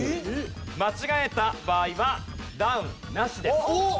間違えた場合はダウンなしです。